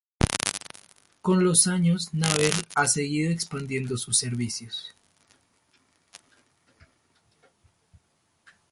Con los años, Naver ha seguido expandiendo sus servicios.